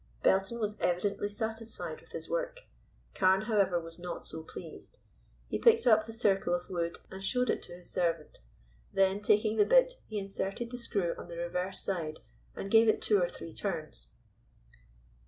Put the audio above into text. Belton was evidently satisfied with his work; Carne, however, was not so pleased. He picked up the circle of wood and showed it to his servant. Then, taking the bit, he inserted the screw on the reverse side and gave it two or three turns.